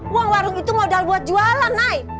uang warung itu modal buat jualan naik